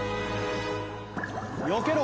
よけろ！